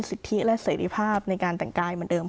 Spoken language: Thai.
เพราะฉะนั้นทำไมถึงต้องทำภาพจำในโรงเรียนให้เหมือนกัน